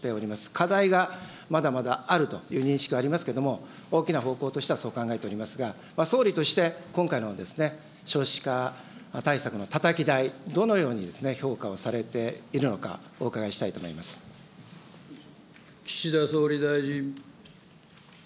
課題がまだまだあるという認識はありますけれども、大きな方向としてはそう考えておりますが、総理として、今回の少子化対策のたたき台、どのように評価をされているのか、お伺いしたいと思いま岸田総理大臣。